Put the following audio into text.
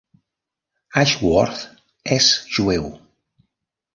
Ashworth és jueu.